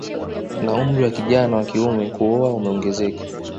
Na umri wa kijana wa kiume kuoa umeongezeka